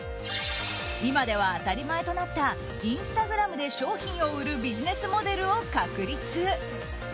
今では当たり前となったインスタグラムで商品を売るビジネスモデルを確立。